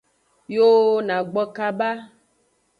Yo na gbo kaba.